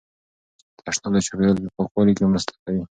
تشناب د چاپیریال په پاکوالي کې مرسته کوي.